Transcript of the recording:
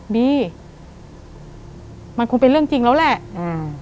บีมันคงเป็นเรื่องจริงแล้วแหละอืม